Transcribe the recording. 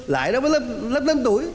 lại đó với lớp lớn tuổi